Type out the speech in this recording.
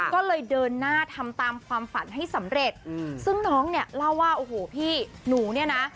ก็เลยเดินหน้าทำตามความฝันให้สำเร็จซึ่งน้องเนี่ยเล่าว่าโอ้โหพี่หนูเนี่ยนะ